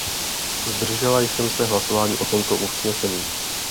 Zdržela jsem se hlasování o tomto usnesení.